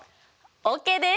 ＯＫです！